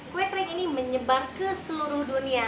kue kering ini menyebar ke seluruh dunia